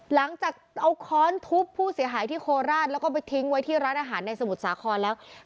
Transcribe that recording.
หลังจากเอาค้อนทุบผู้เสียหายที่โคราชแล้วก็ไปทิ้งไว้ที่ร้านอาหารในสมุทรสาครแล้ว